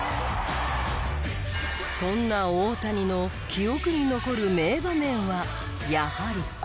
そんな大谷の記憶に残る名場面はやはりこれ。